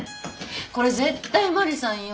これ絶対マリさんよ。